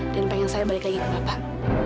dan pengen saya balik lagi ke bapak